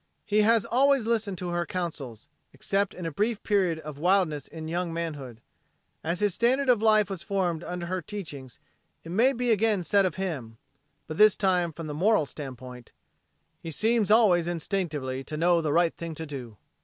He has always listened to her counsels, except in a brief period of wildness in young manhood. As his standard of life was formed under her teachings, it may be again said of him but this time from the moral standpoint: "He seems always instinctively to know the right thing to do."